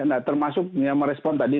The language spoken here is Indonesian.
nah termasuk yang merespon tadi